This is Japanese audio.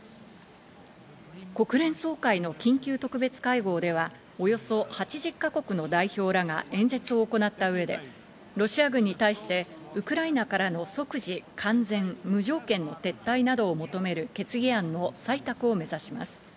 国連総会の緊急特別会合では、およそ８０か国の代表らが演説を行った上で、ロシア軍に対してウクライナからの即時、完全、無条件の撤退などを求める決議案の採択を目指します。